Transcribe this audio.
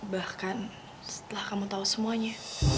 bahkan setelah kamu tahu semuanya